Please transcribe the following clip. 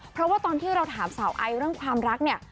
เพราะว่าตอนที่เราถามสาวไอเรื่องความรักเนี่ย